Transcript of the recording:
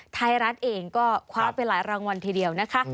ไทยรัฐเองก็คว้าไปหลายรางวัลทีเดียวนะคะ